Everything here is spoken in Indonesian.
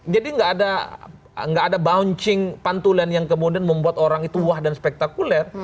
jadi gak ada bouncing pantulan yang kemudian membuat orang itu wah dan spektakuler